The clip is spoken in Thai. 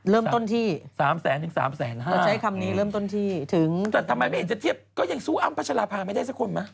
เริ่มต้นที่๓แสนถึง๓แสนห้าแต่ทำไมไม่เห็นจะเทียบก็ยังสู้อ้ำพระชราภาคไม่ได้สักคนมั้ย